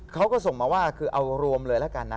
เขาก็ส่งมาว่าคือเอารวมเลยแล้วกันนะ